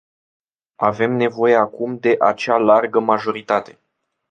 Avem nevoie acum de acea largă majoritate.